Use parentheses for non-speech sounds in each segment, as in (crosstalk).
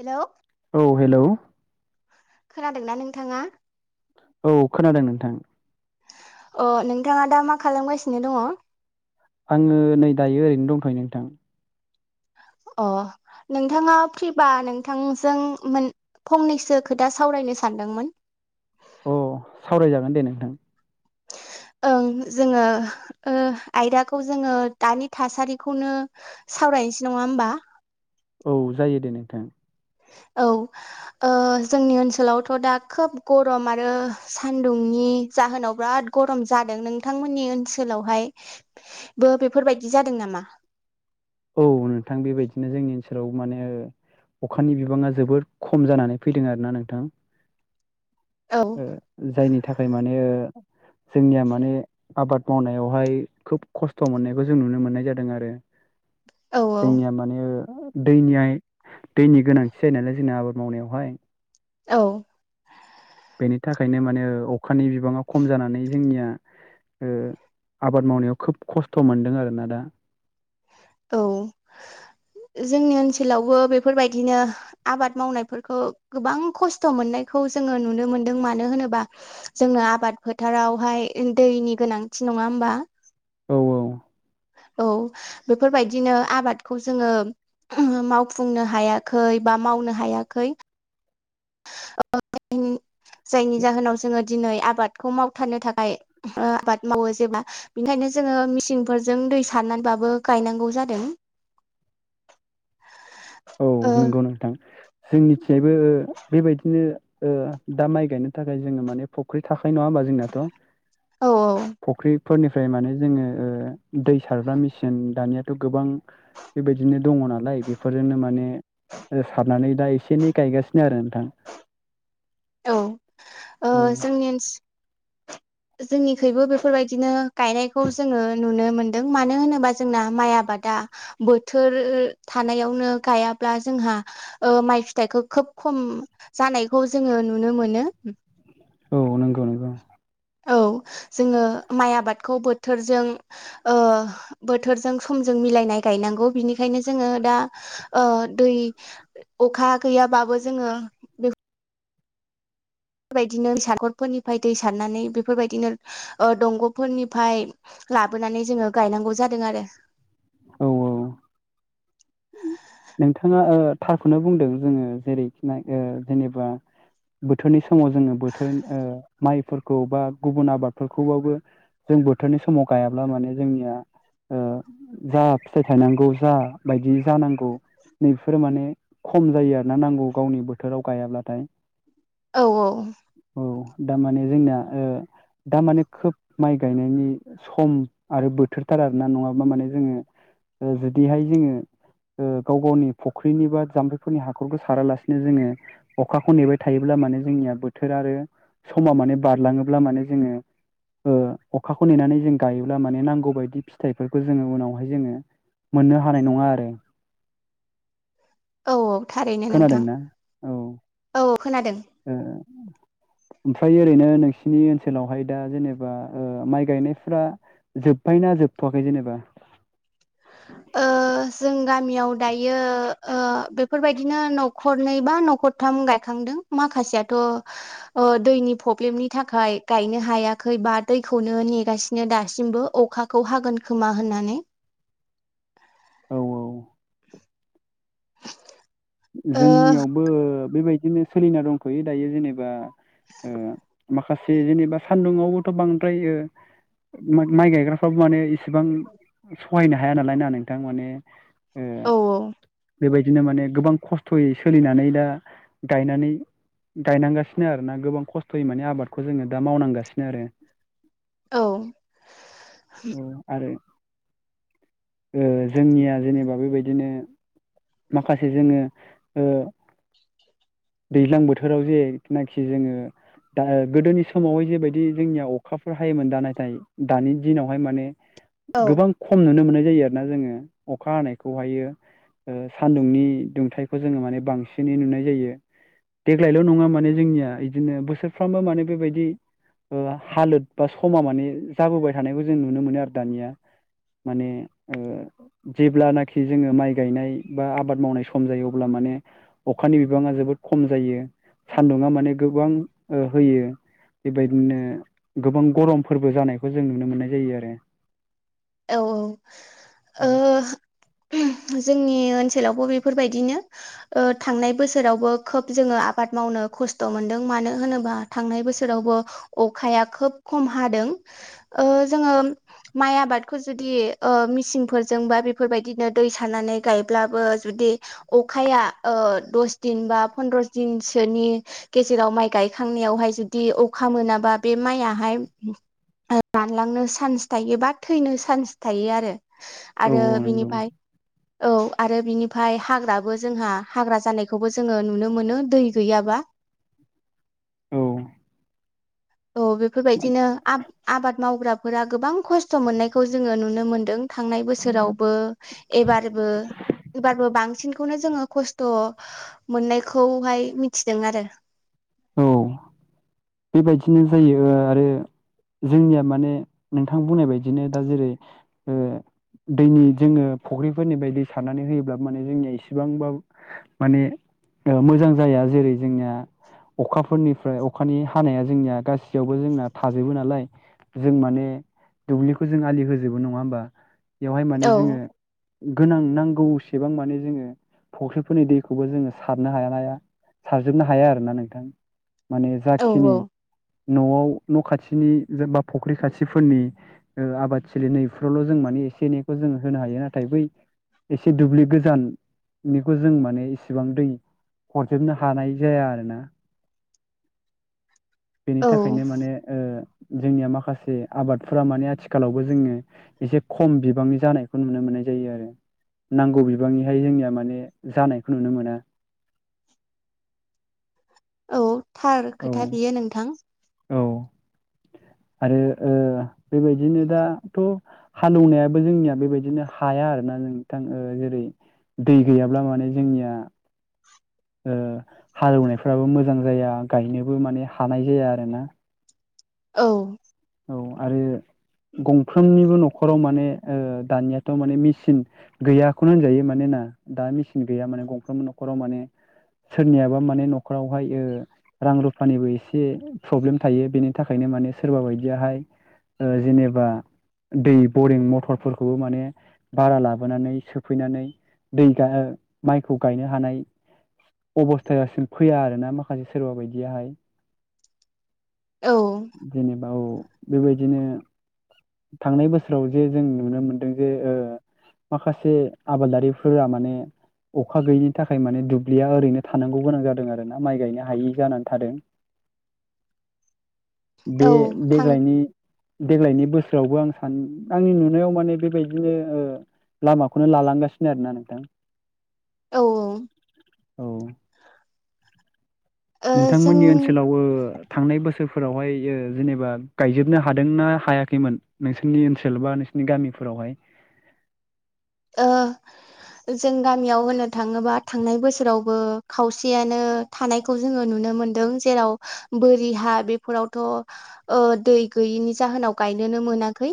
Hello औ hello खोनादोंना नोंथाङा? औ खोनादों नोंथां। अ नोंथाङा दा मा खालामगासिनो दङ? आङो नै दायो ओरैनो दंथयो नोंथां अ नोंथाङा फ्रिबा नोंथांजों मोन फंनैसो खोथा सावरायनो सानदोंमोन अ सावरायजागोन दे नोंथां। ओं जोङो ओ आयदाखौ जोङो दानि थासारिखौनो सावरायनोसै नङा होमबा औ जायो दे नोंथां। औ ओ जोंनि ओनसोलावथ' दा खोब गरम आरो सान्दुंनि जाहोनाव बिराद गरम जादों नोंथांमोननि ओनसोलावहायबो बेफोरबायाददि जादों नामा? औ नोंथां बेबायदिनो जोंनि ओनसोलाव माने अखानि बिबाङा जोबोर खम जानानै फैदों आरोना नोंथां। औ ओ जायनि थाखाय माने ओ जोंनिया माने आबाद मावनायावहाय खोब खस्थ' मोननायखौ जों नुनो मोननाय जादों आरो औ जोंनिया माने ओ दैनियाय दैनि गोनांथि जायो नालाय जोंना आबाद मावनायावहाय औ बेनि थाखायनो माने अखानि बिबाङा खम जानानै जोंनिया ओ आबाद मावनायाव खोब खस्थ' मोनदों आरोना दा औ जोंनि ओनसोलावबो बेफोरबायदिनो आबाद मावनायफोरखौ गोबां खस्थ' मोननायखौ जोङो नुनो मोनदों मानो होनोबा जोंनो आबाद फोथारावहाय दैनि गोनांथि नङा होमबा औ औ औ बेफोरबायदिनो आबादखौ जोङो मावफुंनो हायाखै बा मावनो हायाखै (unintelligible) जायनि जाहोनाव जोङो दिनै आबादखौ मावथारनो थाखाय आबाद मावो जेब्ला बेनिखायनो जोङो मिसिंफोरजों दै सारनानैबाबो गायनांगौ जादों। (inaudible) औ नंगौ नोंथां जोंनिथिंजायबो बेबायदिनो ओ दा माइ गायनो थाखाय जोङो माने फ फुख्रि थाखाय नङा होमबा जोंनाथ' औ फुख्रि फोरनिफ्राय माने जोङो ओ दै सारग्रा मेसिन दानियाथ' गोबां बेबायदिनो दङ' नालाय बे बेफोरजोंनो माने सारनानै दा एसे एनै गायगासिनो आरो नोंथां। औ ओ औ जोंनि ओन जोंनिखुइबो बेफोरबायदिनो गायनायखौ जोङो नुनो मोनदों मानो होनोबा जोंना माइ आबादा बोथोर थानायावनो गायाब्ला जोंहा ओ माइ फिथाइखौ खोब खम जानायखौ जोङो नुनो मोनो। औ नंगौ नंगौ औ जोङो माइ आबादखौ बोथोरजों ओ बोथोरजों समजों मिलायनाय गायनांगौ बिनिखायनो जोङो दा ओ दै अखा गैयाबाबो जोङो बेफोरबायदिनो सागरफोरनिफ्राय दै सारनानै बेफोरबायदिनो ओ दंग'फोरनिफ्राय लाबोनानै जोङो गायनांगौ जादों। आरो औ औ नोंथाङा ओ थारखौनो बुंदों जोङो जेरैखि ओ जेनेबा बोथोरनि समाव जोङो बोथोर ओ माइफोरखौ बा गुबुन आबादफोरखौबाबो जों बोथोरनि समाव गायाब्ला माने जोंनिया ओ जा फिथाइ थायनांगौ जा बायदि जानांगौ नैफोरो माने खम जायो आरोना नांगौ गावनि बोथोराव गायाब्लाथाय औ औ औ दा माने जोंना ओ दामाने खोब माइ गायनायनि सम आरो बोथोरथार आरोना नङाबा माने जोङो ओ जुदिहाय जोङो ओ गाव गावनि फुख्रिनि बा जाम्फैफोरनि हाखरखौ सारालासिनो जोङो अखाखौ नेबाय थायोब्ला माने जोंनिया बोथोर आरो समा माने बारलाङोब्ला माने जोङो ओ अखाखौ नेनानै जों गायोब्ला माने नांगौ बायदि फिथाइफोरखौ जोङो उनावहाय जोङो मोननो हानाय नङा आरो औ औ थारैनो नोंथां खोनादोंना औ औ खोनादों ए ओमफ्राय ओरैनो नोंसिनि ओनसोलावहाय दा जेनेबा माइ ओ गायनायफ्रा जोब्बाय ना जोबथ'वाखै जेनेबा? ओ जों गामियाव दायो ओ बेफोरबायदिनो न खरनै बा न'खरथाम गायखांदों माखासेयाथ' ओ दैनि प्रब्लेमनि थाखाय गायनो हायाखै बा दैखौनो नेगासिनो दासिमबो। अखा खौ हागोन खोमा होननानै। औ औ ओ जोंनियावबो बेबायदिनो सोलिना दंथ'यो दायो जेनेबा ओ माखासे जेनेबा सान्दुंआवबोथ' बांद्राय माइ गायग्रा थाब माने इसेबां सहायनो हाया नालाय ना नोंथां माने ओ औ औ। बेबायदिनो माने गोबां खस्थ'यै सोलिनानै दा गायनानै गायनांगासिनो आरोना गोबां खस्थ'यै माने आबादखौ जोङो दा मावनांगासिनो आरो। औ (inaudible) औ आरो ओ जोंनिया जेनेबा बेबायदिनो माखासे जोङो ओ दैज्लां बोथोराव जेथोनाखि जोङो दा गोदोनि समावहाय जेबायदि जोंनिया अखाफोर हायोमोन। दा नाथाय दानि दिनावहाय माने औ गोबां खम नुनो मोननाय जायो आरोना। जोङो अखा हानायखौहायो सान्दुंनि दुंथाइखौ जोङो माने बांसिनै नुनाय जायो। देग्लायल' नङा माने जोंनिया बिदिनो बोसोरफ्रामबो माने बेबायदि ओ हालोद बा समा माने जाबोबाय थानायखौ जों नुनो मोनो आरो दानिया। माने जेब्लानोखि जोङो माइ गायनाय बा आबाद मावनाय सम जायो अब्ला माने अखानि बिबाङा जोबोद खम जायो सान्दुङा माने गोबां ओ होयो। बेबायदिनो गोबां गरमफोरबो जानायखौ जों नुनो मोननाय जायो आरो। औ औ ओ औ जोंनि ओनसोलावबो बेफोरबायदिनो ओ थांनाय बोसोरावबो खोब जोङो आबाद मावनो खस्थ' मोनदों मानो होनोबा थांनाय बोसोरावबो अखाया खोब खम हादों। ओ जोङो माइ आबाद खौ जुदि मिसिंफोरजों बा बेफोरबायदिनो दै सारनानै गायब्लाबो जुदि अखाया ओ दस दिन बा पन्द्रस दिनसोनि गेजेराव माइ गायखांनायावहाय जुदि अखा मोनाबा बे माइयाहाय ओ रानलांनो चान्स थायोबा थैनो चान्स थायो आरो आरो औ नंगौ बिनिफ्राय औ आरो बिनि ओमफाय हाग्राबो जोंहा हाग्रा जानायखौबो जोङो नुनो मोनो दै गैयाब्ला। औ। औ बेफोरबायदिनो आ आबाद मावग्राफोरा गोबां खस्थ' मोननायखौ जोङो नुनो मोनदों। थांनाय बोसोरावबो एबारबो एबारबो बांसिनखौनो जोङो खस्थ' मोननायखौहाय मिथिदों आरो। औ बेबायदिनो जायो आरो जोंनिया माने नोंथां बुंनाय बायदिनो दा जेरै ओ (inaudible) दैनि जोङो फुख्रिफोरनि बायदि सारनानै होयोब्ला माने जोंनिया इसेबांबा माने ओ मोजां जाया। जेरै जोंनिया अखाफोरनिफ्राय अखानि खानाया जोंनिया गासैयावबो जोंना थाजोबो नालाय। जों माने दुब्लिखौ जों आलि होजोबो नङा होमबा बेवहाय औ माने जोङो गोनां नांगौ एसेबां माने जोङो फुख्रिफोरनि दैखौबो जोङो सारनो हाया हाया सारजोबनो हाया आरोना नोंथां। माने औ जाखिनि न'आव न' खाथिनि बा फख्रि खाथिफोरनि आबादथिलि नैफ्रावल' जों मानि एसे एनैखौ जों होनो हायो। नाथाय बै एसे दुब्लि गोजाननिखौ जों माने इसिबां दै हरजोबनो हानाय जाया आरोना। बेनि थाखायनो औ माने जोंनिया माखासे आबादफोरा माने आथिखालावबो जोङो एसे खम बिबांनि जानायखौ नुनो मोननाय जायो आरो। नांगौ बिबांनिहाय जोंनिया माने जानायखौ नुनो मोना। औ थार औ खोथा बियो नोंथां। औ आरो बेबायदिनो दाथ' हालेवनायाबो जोंनिया बेबायदिनो हाया आरोना नोंथां ओ जेरै दै गैयाब्ला माने जोंनिया हालौनायफ्राबो मोजां जाया गायनोबो माने हानाय जाया आरोना। औ। औ आरो गंफ्रोमनिबो न'खराव माने दानियाथ' माने मिसिन गैयाखौनो होनजायो। मानोना दा मेसिन गैया माने गंफ्रोमबो न'खराव माने सोरनियाबा माने न'खरावहाय ओ रां रुफानिबो एसे प्रब्लेम थायो। बेनि थाखायनो माने सोरबा बाय दियाहाय जेनेबा दै बरिं मथरफोरखौबो माने बारा लाबोनानै सोफैनानै दै गा माइखौ गायनो हानाय अबस्थायासिम फैया आरो ना माखासे सोरबा बायदियाहाय। औ जेनेबा औ बेबायदिनो थांनाय बोसोराव जे जों नुनो मोनदों जे माखासे आबादारिफोरा माने अखा गैयिनि थाखाय माने दुब्लिया ओरैनो थानांगौ गोनां जादों आरोना माइ गायनो हायै जानानै थादों। बे औ। थां देग्लायनि देग्लायनि बोसोरावबो आं सान आंनि नुनायाव माने बेबायदिनो लामाखौनो लालांगासिनो आरोना नोंथां। औ औ। औ। ओ जों नोंथांमोननि ओनसोलाव ओ थांनाय बोसोरफोरावहाय जेनेबा गायजोबनो हादोंना हायाखैमोन नोंसोरनि ओनसोल बा नोंस नि गामिफोरावहाय? (inaudible) जों गामियाव होननो थाङोबा थांनाय बोसोरावबो खावसेयानो थानायखौ जोङो नुनो मोनदों। जेराव बोरि हा बेफोरावथ' दै गैयिनि जाहोनाव गायनोनो मोनाखै।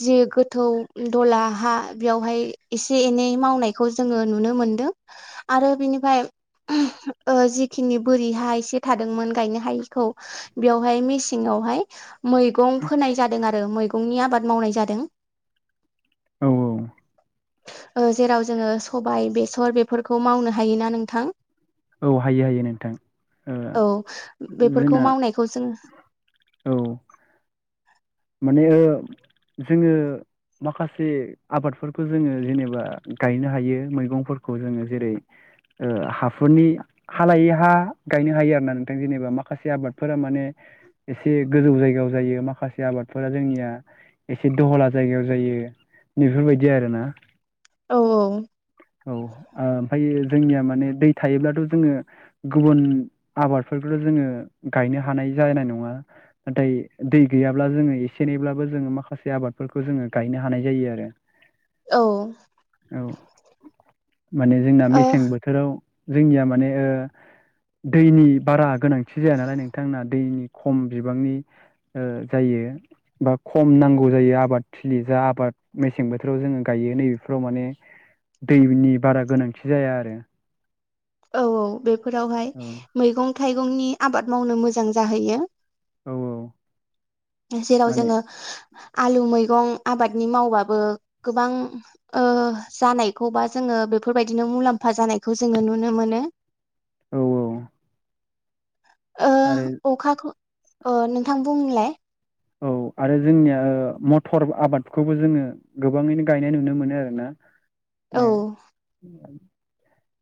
जि गोथौ दहला हा बेवहाय ए-एसे एनै मावनायखौ जोङो नुनो मोनदों आरो बिनिफाय जिखिनि बोरि हा एसे थादोंमोन गायनो हायिखौ बेवहाय मेसेङावहाय मैगं फोनाय जादों आरो मैगंनि आबाद मावनाय जादों। औ औ। जेराव जोंङो सबाय बेसर बेफोरखौ मावनो हायोना नोंथां। औ हायो हायो नोंथां ओ औ बेफोरखौ जोंना मावनायखौ जोंङो औ। माने जोंङो माखासे आबादफोरखौ जोंङो जेनेबा गायनो हायो मैगंफोरखौ जोंङो जेरै हाफोरनि हालायै हा गायनो हायो आर ना नोंथां जेनेबा माखासे आबादफोरा माने एसे गोजौ जायगायाव जायो माखासे आबाद फोरा जोंनिया एसे दहला जायगायाव जायो नैफोरबायदि आरोना। औ औ। औ ओमफ्रायो जोंनिया माने दै थायोब्लाथ' जोंङो गुबुन आबादफोरखौल' जोंङो गायनो हानाय जानाय नंङा नाथाय दै गैयाब्ला जोंङो एसे एनैब्लाबो जोंङो माखासे आबादफोरखौ जोङो गायनो हानाय जायो आरो औ औ माने जोंना ओ मेसें औ बोथोराव जोंनिया माने दैनि बारा गोनांथि जाया नालाय नोंथां दैनि खम बिबांनि जायो बा खम नांगौ जायो आबाद थिलि जा आबाद मेसें बोथोराव जोंङो गायो नैबेफोराव माने दैनि बारा गोनांथि जाया आरो औ औ बेफोरावहाय औ मैगं थाइगंनि आबाद मावनो मोजां जाहैयो औ जेराव माने जोंङो आलु मैगं आबादनि मावबाबो गोबां जानायखौ बा जोंङो बेफोरबायदिनो मुलाम्फा जानायखौ जोंङो नुनो मोनो औ आरो ओ अखाखौ अ नोंथां बुंलाय औ आरो जोंनिया मटर आबादखौबो जोंङो गोबाङैनो गायनाय नुनो मोनो आरोना औ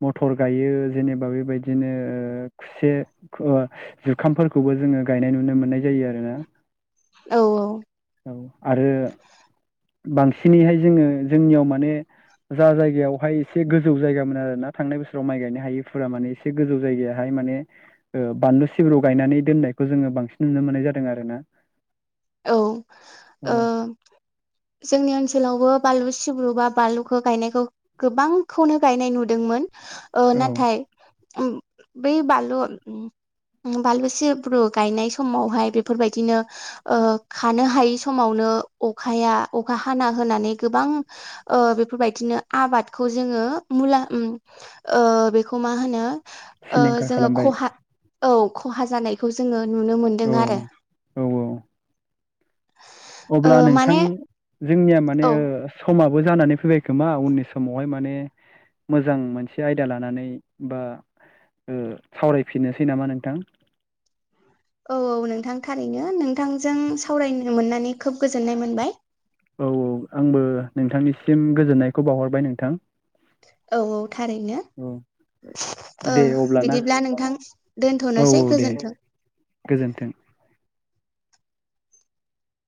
मथर गायो जेनेबा बेबायदिनो खुसे जुखामफोरखौबो जोंङो गायनाय नुनो मोननाय जायो आरो ना औ औ आरो बांसिनैहाय जोंङो जोंनियाव माने जा जायगायावहाय एसे गोजौ जायगामोन आरो ना थांनाय बोसोराव माइ गायनो हायोफोरा माने एसे गोजौ जायगायावहाय माने बानलु सिब्रु गायनानै दोननायखौ जोङो बांसिन नुनो मोननाय जादों आरो ना औ ओ औ जोंनि ओनसोलावबो बानलु सिब्रु बा बानलुखौ गायनायखौ गोबांखौनो गायनाय नुदोंमोन औ नाथाय बेै बालु बानलु सिब्रु गायनाय समावहाय बेफोरबायदिनो खानो हायै समावनो अखाया अखा हाना होनानै गोबां बेफोरबायदिनो आबादखौ जोंङो मुला बेखौ मा होनो सिलिंखार जोंङो खालामबाय खहा औ खहा जानायखौ जोङो नुनो मोनदों औ आरो औ औ ओ अब्ला नोंथां माने जोंनिया माने औ समाबो जानानै फैबाय खोमा उननि समावहाय माने मोजां मोनसे आयदा लानानै बा सावरायफिननोसै नामा नोंथां औ औ नोंथां थारैनो नोंथांजों सावरायनो मोननानै खोब गोजोननाय मोनबाय औ औ आंबो नोंथांनिसिम गोजोननायखौ बावहरबाय नोंथां औ औ थारैनो औ दे अब्लाना बिदिब्ला औ नोंथां दोनथ'नोसै औ दे गोजोन्थों गोजोन्थों